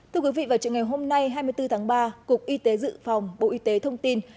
thưa quý vị vào trường ngày hôm nay hai mươi bốn tháng ba cục y tế dự phòng bộ y tế thông tin